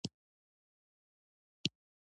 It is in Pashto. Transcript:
زوړ کندهار ډیر تاریخي ارزښت لري